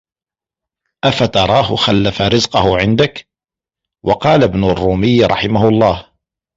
أَفَتَرَاهُ خَلَّفَ رِزْقَهُ عِنْدَك ؟ وَقَالَ ابْنُ الرُّومِيِّ رَحِمَهُ اللَّهُ